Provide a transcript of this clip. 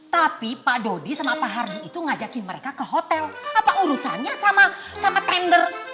tapi pak dodi sama pak hardy itu ngajakin mereka ke hotel apa urusannya sama tender